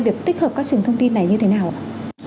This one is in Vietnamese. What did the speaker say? việc tích hợp các trường thông tin này như thế nào ạ